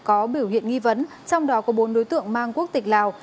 có biểu hiện nghi vấn trong đó có bốn đối tượng mang quốc tịch lào